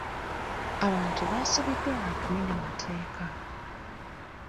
Abantu basibiddwa lwa kumenya mateeka.